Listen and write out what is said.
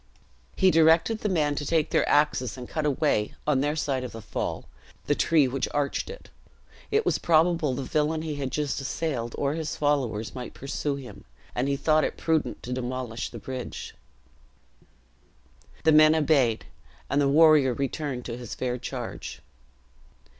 He directed the men to take their axes, and cut away, on their side of the fall, the tree which arched it. It was probable the villian he had just assailed, or his followers, might pursue him; and he thought it prudent to demolish the bridge. The men obeyed, and the warrior returned to his fair charge.